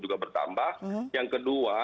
juga bertambah yang kedua